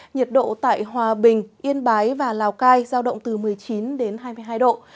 nhiệt độ tại hòa bình yên bái và lào cai giao động từ một mươi chín đến hai mươi hai độ